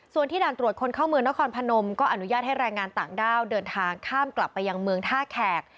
ส่วนที่ด่านตรวจคนเข้าเมืองนครพนมก็อนุญาตให้แรงงานต่างด้าวเดินทางข้ามกลับไปยังเมืองท่าแขก